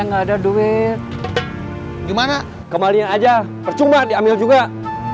nggak ada duit gimana kembali aja percuma diambil juga kita cari yang lain ayo